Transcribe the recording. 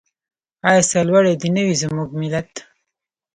آیا سرلوړی دې نه وي زموږ ملت؟